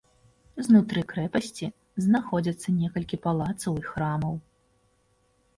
Знутры крэпасці знаходзяцца некалькі палацаў і храмаў.